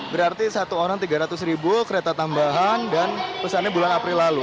berarti satu orang tiga ratus ribu kereta tambahan dan pesannya bulan april lalu